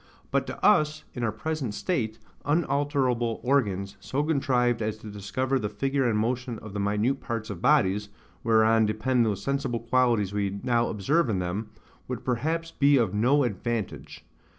But to us, in our present state, unalterable organs, so contrived as to discover the figure and motion of the minute parts of bodies, whereon depend those sensible qualities we now observe in them, would perhaps be of no advantage.